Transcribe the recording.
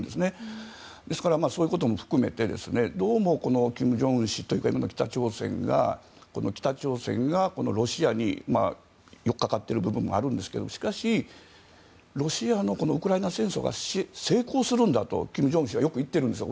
ですから、そういうことも含めてどうも金正恩氏というか北朝鮮がロシアに寄りかかってる部分があるんですけどしかし、ロシアのウクライナ戦争が成功するんだと金正恩氏はよく言っているんですよ。